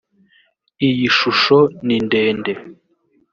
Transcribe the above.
iyi shusho nindende.